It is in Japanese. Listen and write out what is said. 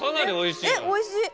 えっおいしい！